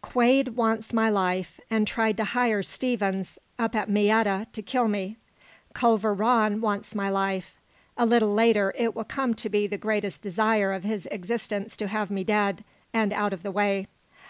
"Quade wants my life, and tried to hire Stevens, up at Miette, to kill me. Culver Rann wants my life; a little later it will come to be the greatest desire of his existence to have me dead and out of the way.